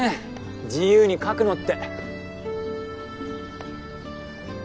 自由に描くのって。